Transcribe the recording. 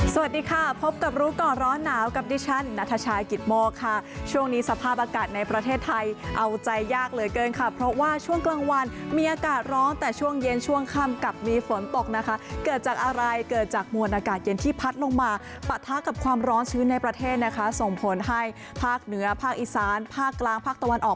สวัสดีค่ะพบกับรู้ก่อนร้อนหนาวกับดิฉันนัทชายกิตโมกค่ะช่วงนี้สภาพอากาศในประเทศไทยเอาใจยากเหลือเกินค่ะเพราะว่าช่วงกลางวันมีอากาศร้อนแต่ช่วงเย็นช่วงค่ำกับมีฝนตกนะคะเกิดจากอะไรเกิดจากมวลอากาศเย็นที่พัดลงมาปะทะกับความร้อนชื้นในประเทศนะคะส่งผลให้ภาคเหนือภาคอีสานภาคกลางภาคตะวันออก